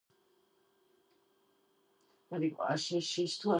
ეს დოკუმენტები მანამდე ხელმიუწვდომელი იყო.